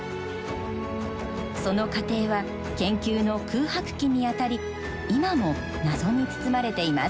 その過程は研究の空白期にあたり今も謎に包まれています。